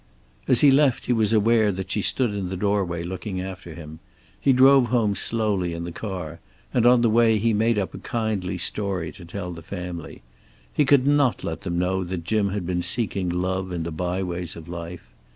As he left he was aware that she stood in the doorway looking after him. He drove home slowly in the car, and on the way he made up a kindly story to tell the family. He could not let them know that Jim had been seeking love in the byways of life.